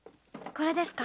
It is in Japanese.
これですか？